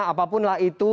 apapun lah itu